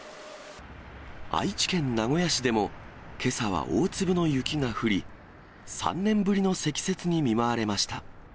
愛知県名古屋市でもけさは大粒の雪が降り、３年ぶりの積雪に見舞われました。